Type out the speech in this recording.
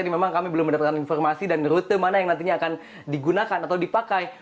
ini memang kami belum mendapatkan informasi dan rute mana yang nantinya akan digunakan atau dipakai